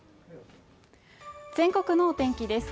全国のお天気です